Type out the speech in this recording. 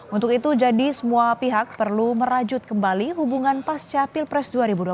untuk itu jadi semua pihak perlu merajut kembali hubungan pasca pilpres dua ribu dua puluh